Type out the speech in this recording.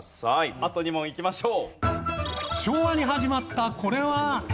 あと２問いきましょう。